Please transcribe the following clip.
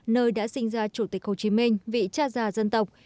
nơi đã sinh ra chủ tịch hồ chí minh vị cha già dân tộc